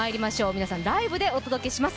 皆さん、ライブでお届けします。